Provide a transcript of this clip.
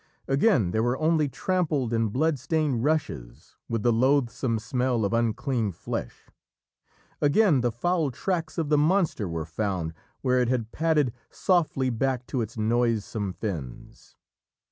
Again there were only trampled and blood stained rushes, with the loathsome smell of unclean flesh. Again the foul tracks of the monster were found where it had padded softly back to its noisome fens.